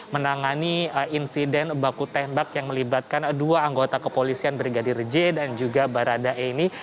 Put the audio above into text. menangani insiden baku tembak yang melibatkan dua anggota kepolisian brigadir j dan juga baradae ini